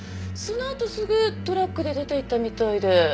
そのあとすぐトラックで出て行ったみたいで。